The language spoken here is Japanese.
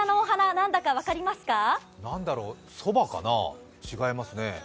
何だろ、そばかな、違いますね。